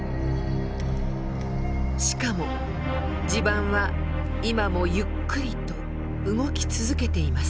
しかも地盤は今もゆっくりと動き続けています。